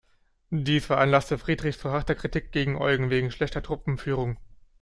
Dies veranlasste Friedrich zu harter Kritik gegen Eugen wegen schlechter Truppenführung.